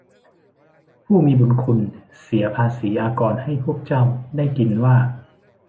ผู้มีบุญคุณเสียภาษีอากรให้พวกเจ้าได้กินว่า